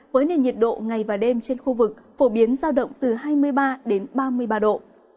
với nền nhiệt độ ngày và đêm trên khu vực phổ biến giao động từ hai mươi ba đến ba mươi ba độ